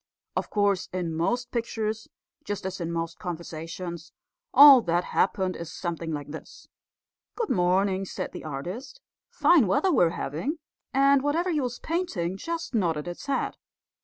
Of course, in most pictures, just as in most conversations, all that happened is something like this: 'Good morning,' said the artist, 'fine weather we're having,' and whatever he was painting just nodded its head.